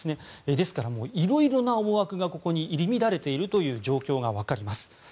ですから、色々な思惑がここに入り乱れているという状況がわかります。